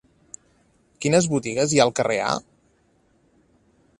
Quines botigues hi ha al carrer A?